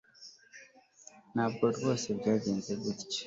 Ntabwo rwose byagenze gutya